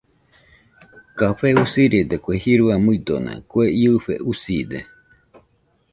Café usirede kue jirua muidona kue iɨfe uside.